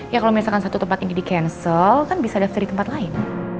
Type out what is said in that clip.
ya kalau misalkan satu tempat ini di cancel kan bisa daftar di tempat lain